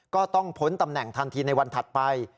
ก็ต้องพ้นตำแหน่งทันทีในวันถัดไป